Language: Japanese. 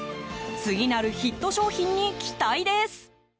次なるヒット商品に期待です。